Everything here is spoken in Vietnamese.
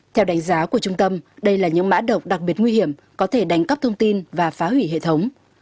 theo đánh giá của trung tâm đây là những mã độc đặc biệt nguy hiểm có thể đánh cắp thông tin và phá hủy hệ thống